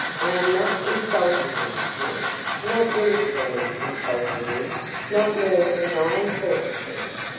I am not insulting you, dear not wilfully insulting you not more than I am forced to.